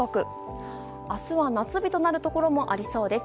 明日は夏日となるところもありそうです。